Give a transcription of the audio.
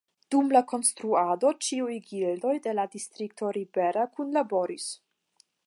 Dum la konstruado ĉiuj gildoj de la distrikto Ribera kunlaboris.